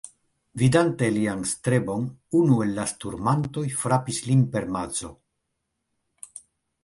Vidante lian strebon, unu el la sturmantoj frapis lin per madzo.